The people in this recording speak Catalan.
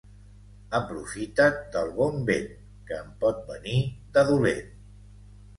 Aprofita't del bon vent, que en pot venir de dolent.